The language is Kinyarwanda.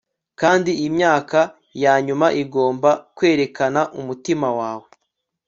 kandi imyaka yanyuma igomba kwerekana umutima wawe